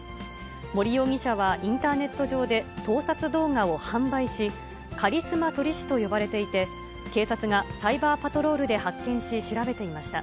森容疑者はインターネット上で、盗撮動画を販売し、カリスマ撮り師と呼ばれていて、警察がサイバーパトロールで発見し、調べていました。